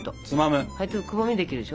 くぼみできるでしょ？